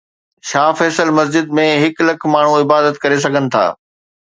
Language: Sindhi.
شاهه فيصل مسجد ۾ هڪ لک ماڻهو عبادت ڪري سگهن ٿا